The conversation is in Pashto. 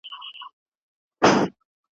داستاني اثر د څېړونکي لخوا وڅېړل سو.